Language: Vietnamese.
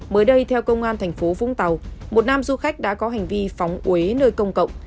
mới đây theo công an thành phố vũng tàu một nam du khách đã có hành vi phóng uế nơi công cộng